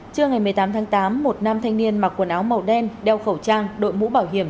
trưa ngày một mươi tám tháng tám một nam thanh niên mặc quần áo màu đen đeo khẩu trang đội mũ bảo hiểm